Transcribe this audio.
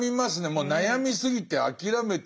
もう悩みすぎて諦めてる。